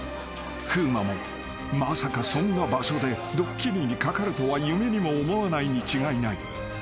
［風磨もまさかそんな場所でドッキリにかかるとは夢にも思わないに違いない］